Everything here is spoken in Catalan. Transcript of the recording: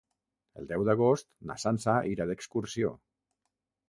El deu d'agost na Sança irà d'excursió.